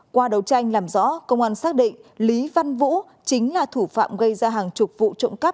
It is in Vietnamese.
qua đấu tranh làm rõ công an xác định lý văn vũ chính là thủ phạm gây ra hàng chục vụ trộm cắp